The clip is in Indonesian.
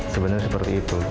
sebenarnya seperti itu